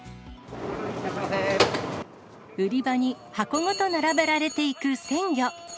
売り場に箱ごと並べられていく鮮魚。